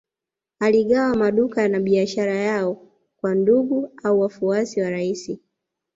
Aligawa maduka na biashara yao kwa ndugu au wafuasi wa rais